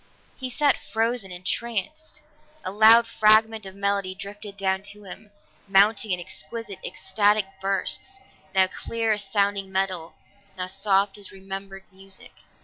He sat frozen, entranced. A louder fragment of melody drifted down to him, mounting in exquisite, ecstatic bursts, now clear as sounding metal, now soft as remembered music.